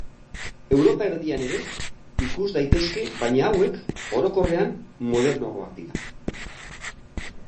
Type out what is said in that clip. Europa erdian ere ikus daitezke baina hauek, orokorrean, modernoagoak dira.